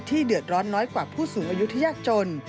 เดือดร้อนน้อยกว่าผู้สูงอายุที่ยากจน